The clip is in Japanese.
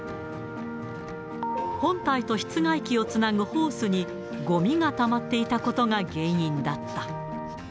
本体と室外機をつなぐホースに、ごみがたまっていたことが原因だった。